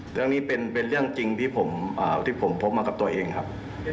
เรื่องนี้เป็นเป็นเรื่องจริงที่ผมเอ่อที่ผมพบมากับตัวเองครับ